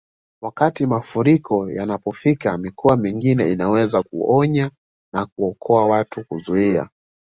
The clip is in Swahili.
Wakati mafuriko yanapofika mikoa mingine inaweza kuonya na kuwaokoa watu kuzuia